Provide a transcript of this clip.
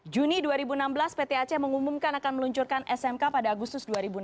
juni dua ribu enam belas pt aceh mengumumkan akan meluncurkan smk pada agustus dua ribu enam belas